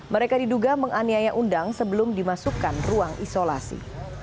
mereka diduga menganiaya undang sebelum dimasukkan ruang isolasi